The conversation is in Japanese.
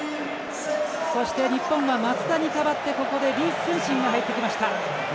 そして、日本は松田に代わってここで李承信が入ってきました。